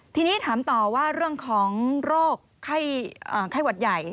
ทีนี้ถามต่อว่าเรื่องของโรคไข้หวัดใหญ่